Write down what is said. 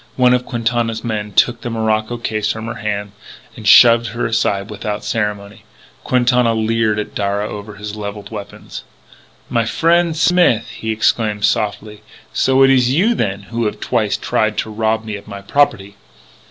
One of Quintana's men took the morocco case from her hands and shoved her aside without ceremony. Quintana leered at Darragh over his levelled weapons: "My frien' Smith!" he exclaimed softly. "So it is you, then, who have twice try to rob me of my property!